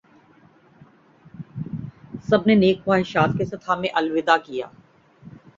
سب نے نیک خواہشات کے ساتھ ہمیں الوداع کیا